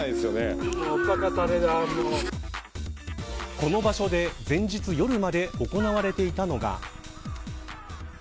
この場所で前日夜まで行われていたのが。